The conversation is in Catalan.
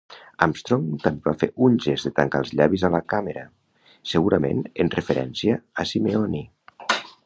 Armstrong també va fer un gest de "tancar els llavis" a la càmera, segurament en referència a Simeoni.